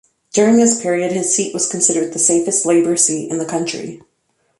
During this period his seat was considered the safest Labour seat in the country.